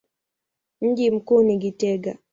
Mji mkuu ni Gitega.